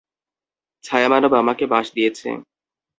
ছায়ামানব আমাকে বাঁশ দিয়েছে!